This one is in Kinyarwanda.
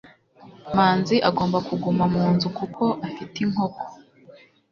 manzi agomba kuguma mu nzu kuko afite inkoko